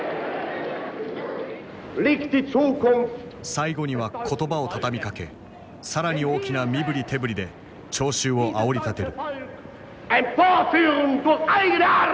最後には言葉を畳みかけ更に大きな身振り手振りで聴衆をあおりたてる。